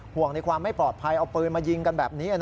ห่วงในความไม่ปลอดภัยเอาปืนมายิงกันแบบนี้